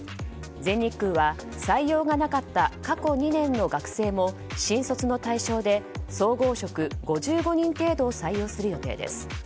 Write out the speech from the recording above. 全日空は採用がなかった過去２年の学生も新卒の対象で総合職５５人程度を採用する予定です。